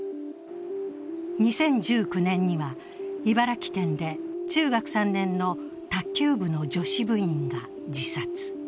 ２０１９年には、茨城県で中学３年の卓球部の女子部員が自殺。